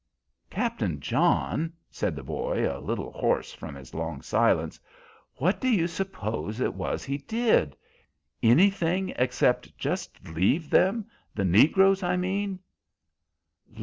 "Captain John," said the boy, a little hoarse from his long silence, "what do you suppose it was he did? Anything except just leave them the negroes, I mean?"